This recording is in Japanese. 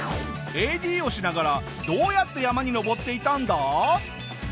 ＡＤをしながらどうやって山に登っていたんだ？